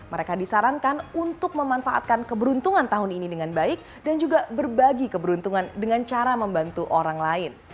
mereka disarankan untuk memanfaatkan keberuntungan tahun ini dengan baik dan juga berbagi keberuntungan dengan cara membantu orang lain